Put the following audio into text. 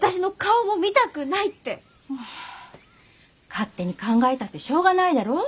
勝手に考えたってしょうがないだろ？